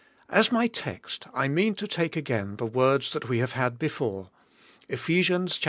As my text I mean to take again the words that we have had before, Kph. 5:18.